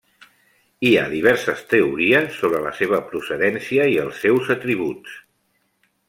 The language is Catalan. Hi ha diverses teories sobre la seva procedència i els seus atributs.